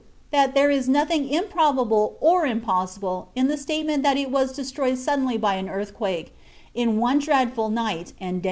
That there is nothing improbable or impossible in the statement that it was destroyed suddenly by an earthquake "in one dreadful night and day."